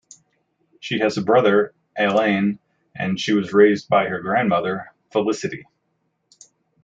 She has a brother, Alain, and she was raised by her grandmother, Felicite.